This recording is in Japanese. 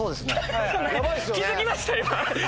気付きました？